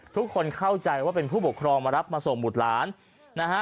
ทุกคนเข้าใจว่าเป็นผู้ปกครองมารับมาส่งบุตรหลานนะฮะ